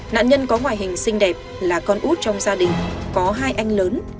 nạn nhân có ngoại hình xinh đẹp là con út trong gia đình có hai anh lớn